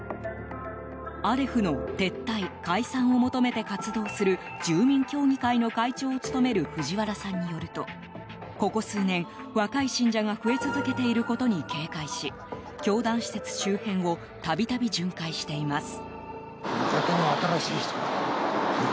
アレフの撤退・解散を求めて活動する住民協議会の会長を務める藤原さんによるとここ数年、若い信者が増え続けていることに警戒し教団施設周辺をたびたび巡回しています。